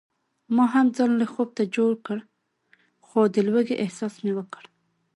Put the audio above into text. ما هم ځان لږ خوب ته جوړ کړ خو د لوږې احساس مې وکړ.